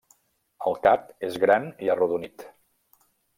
El cap és gran i arrodonit.